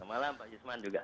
selamat malam pak yusman juga